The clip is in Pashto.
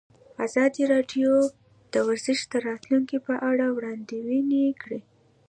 ازادي راډیو د ورزش د راتلونکې په اړه وړاندوینې کړې.